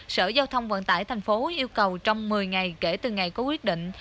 sở giao thông vận tải tp hcm yêu cầu trong một mươi ngày kể từ ngày có quyết định